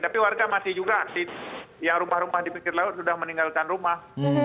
tapi warga masih juga yang rumah rumah di pinggir laut sudah meninggalkan rumah